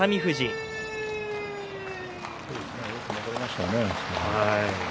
よく残りましたね。